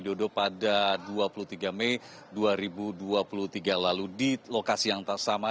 joko widodo pada dua puluh tiga mei dua ribu dua puluh tiga lalu di lokasi yang sama